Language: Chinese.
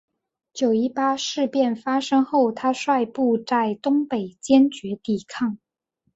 九一八事变发生后他率部在东北坚决抵抗。